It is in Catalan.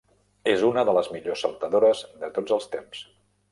És una de les millors saltadores de tots els temps.